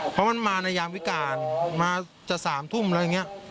เพราะมันมาในยามวิการมาจะ๓ทุ่มอะไรอย่างนี้